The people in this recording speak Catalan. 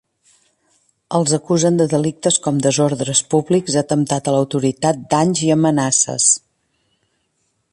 Els acusen de delictes com desordres públics, atemptat a l’autoritat, danys i amenaces.